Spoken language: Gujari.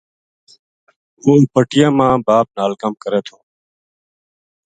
وہ پٹیاں ما باپ نال کم کرے تھو